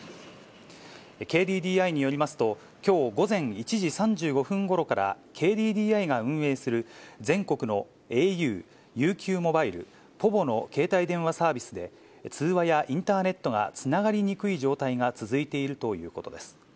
ＫＤＤＩによりますと、きょう午前１時３５分ごろから、ＫＤＤＩが運営する全国のａｕ、ＵＱモバイル、ｐｏｖｏの携帯電話サービスで、通話やインターネットがつながりにくい状態が続いているということです。